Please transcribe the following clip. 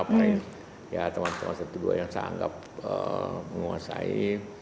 paling teman teman satu dua yang saya anggap menguasai